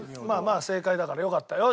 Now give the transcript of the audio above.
まあまあ正解だからよかった。